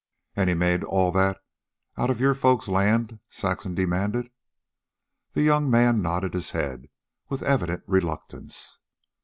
"And he made all that out of your folks' land?" Saxon demanded. The young man nodded his head with evident reluctance.